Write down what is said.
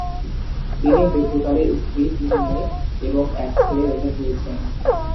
তিনি মৃত্যুকালে স্ত্রী তিন মেয়ে এবং এক ছেলে রেখে গিয়েছেন।